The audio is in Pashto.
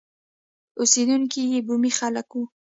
اوسېدونکي یې بومي خلک وو.